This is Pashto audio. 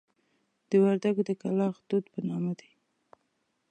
د وردکو د کلاخ توت په نامه دي.